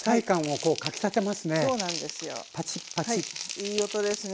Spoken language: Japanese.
いい音ですね。